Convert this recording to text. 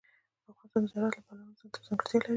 افغانستان د زراعت د پلوه ځانته ځانګړتیا لري.